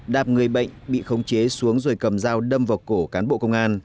đạp người bệnh bị khống chế xuống rồi cầm dao đâm vào cổ cán bộ công an